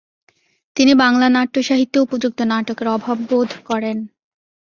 তিনি বাংলা নাট্যসাহিত্যে উপযুক্ত নাটকের অভাব বোধ করেন।